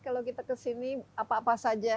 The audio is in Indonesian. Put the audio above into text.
kalau kita ke sini apa apa saja